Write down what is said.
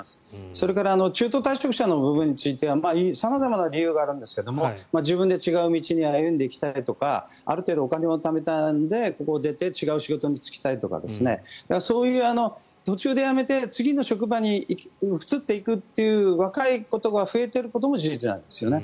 それから中途退職者の部分については様々な理由があるんですが自分で違う道を歩んでいきたいとかある程度、お金をためたのでここを出て違う仕事に就きたいとかそういう途中で辞めて次の職場に移っていくという若い子が増えていることも事実なんですね。